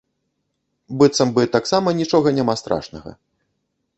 Быццам бы таксама нічога няма страшнага.